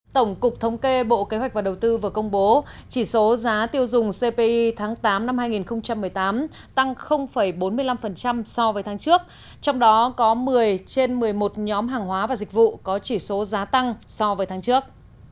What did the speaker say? tổng cục thống kê bộ kế hoạch và đầu tư vừa công bố chỉ số giá tiêu dùng cpi tháng tám năm hai nghìn một mươi tám tăng bốn mươi năm so với tháng trước trong đó có một mươi trên một mươi một nhóm hàng hóa và dịch vụ có chỉ số giá tăng so với tháng trước